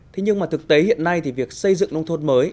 thế nhưng thực tế hiện nay việc xây dựng đồng thôn mới